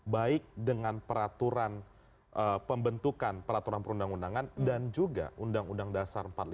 baik dengan peraturan pembentukan peraturan perundang undangan dan juga undang undang dasar empat puluh lima